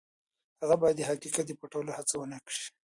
هغه باید د حقیقت د پټولو هڅه ونه کړي.